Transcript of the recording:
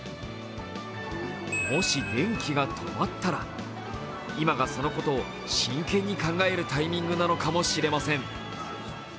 もし電気が止まったら今がそのことを真剣に考えるタイミングなのかもしれません。